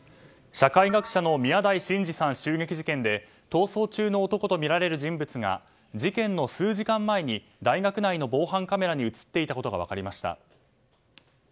社会学者の宮台真司さん襲撃事件で逃走中の男とみられる人物が事件の数時間前に大学内の防犯カメラに映っていたことが分かりました。